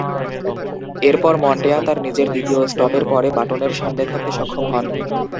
এরপর মন্টেয়া তার নিজের দ্বিতীয় স্টপের পরে বাটনের সামনে থাকতে সক্ষম হন।